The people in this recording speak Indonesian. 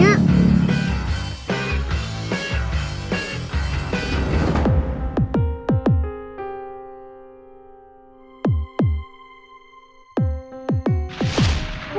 ya udah deh